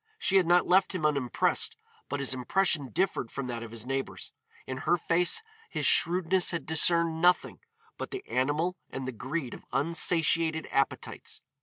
She had not left him unimpressed, but his impression differed from that of his neighbors. In her face his shrewdness had discerned nothing but the animal and the greed of unsatiated appetites.